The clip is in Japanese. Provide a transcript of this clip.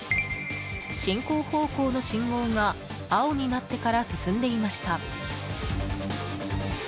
進行方向の信号が青になってから進んでいました。